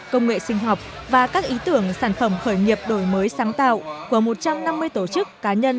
công nghệ sinh học và các ý tưởng sản phẩm khởi nghiệp đổi mới sáng tạo của một trăm năm mươi tổ chức cá nhân